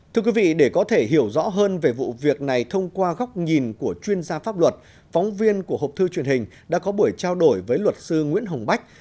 thưa quý vị để có thể hiểu rõ hơn về vụ việc này thông qua góc nhìn của chuyên gia pháp luật phóng viên của hộp thư truyền hình đã có buổi trao đổi với luật sư nguyễn hồng bách